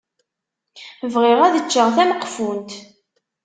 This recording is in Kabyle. Bɣiɣ ad ččeɣ tameqfunt.